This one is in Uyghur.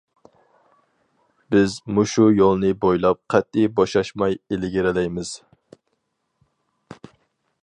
بىز مۇشۇ يولنى بويلاپ قەتئىي بوشاشماي ئىلگىرىلەيمىز.